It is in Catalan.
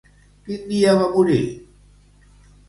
Quin dia va morir?